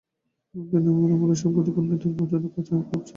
তিনি বলেন, "বোলৎসমান ক্ষতিকর নয়, তবে প্রচণ্ড কাঁচা এবং খাপছাড়া।